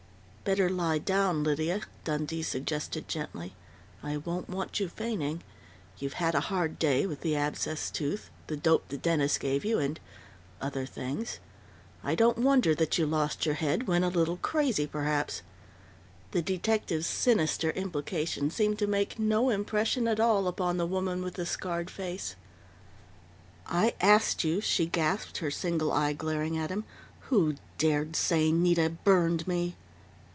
"Better lie down, Lydia," Dundee suggested gently. "I won't want you fainting. You've had a hard day with the abscessed tooth, the dope the dentist gave you, and other things. I don't wonder that you lost your head, went a little crazy, perhaps " The detective's sinister implication seemed to make no impression at all upon the woman with the scarred face. "I asked you " she gasped, her single eye glaring at him, "who dared say Nita burned me?"